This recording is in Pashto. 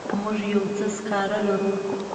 موږ یو څه سکاره لرو.